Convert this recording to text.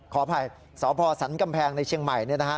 ขออภัยสพสันกำแพงในเชียงใหม่